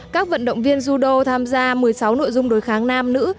các vận động viên judo tham gia một mươi sáu nội dung đối kháng nam nữ